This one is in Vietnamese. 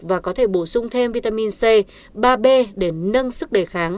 và có thể bổ sung thêm vitamin c ba b để nâng sức đề kháng